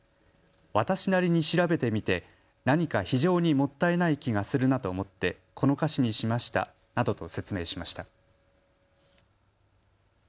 私なりに調べてみて何か非常にもったいない気がするなと思ってこの歌詞にしましたなどと説明しました。